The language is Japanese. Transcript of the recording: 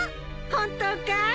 本当かい？